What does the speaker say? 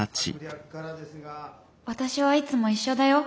私はいつも一緒だよ